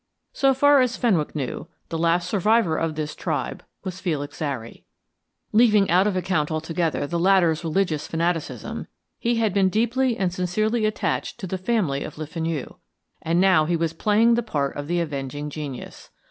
So far as Fenwick knew, the last survivor of this tribe was Felix Zary. Leaving out of account altogether the latter's religious fanaticism, he had been deeply and sincerely attached to the family of Le Fenu, and now he was playing the part of the avenging genius.